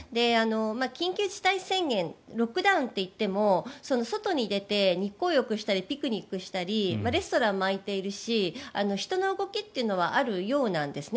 緊急事態宣言ロックダウンといっても外に出て日光浴したりピクニックしたりレストランも開いているし人の動きっていうのはあるようなんですね。